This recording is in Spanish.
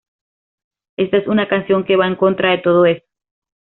Esta es una canción que va en contra de todo eso.